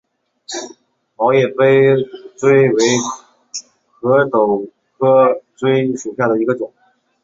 毛叶杯锥为壳斗科锥属下的一个种。